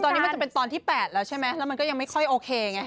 ตอนนี้มันจะเป็นตอนที่๘แล้วใช่ไหมแล้วมันก็ยังไม่ค่อยโอเคไง